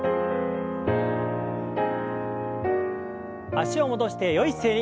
脚を戻してよい姿勢に。